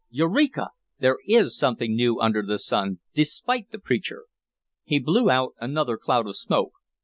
Eureka! There is something new under the sun, despite the Preacher!" He blew out another cloud of smoke.